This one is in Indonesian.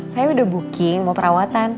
saya udah booking mau perawatan